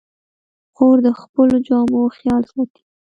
خور د خپلو جامو خیال ساتي.